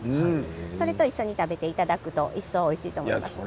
それと一緒に食べていただくといっそうおいしいと思います。